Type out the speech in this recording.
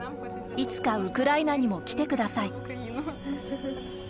いつかウクライナに来てください。